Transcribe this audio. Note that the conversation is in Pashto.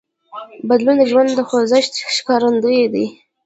بدلون د ژوند د خوځښت ښکارندوی دی.